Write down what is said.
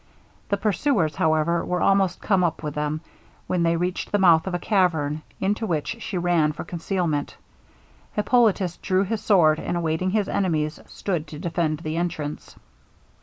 The pursuers, however, were almost come up with them, when they reached the mouth of a cavern, into which she ran for concealment. Hippolitus drew his sword; and awaiting his enemies, stood to defend the entrance.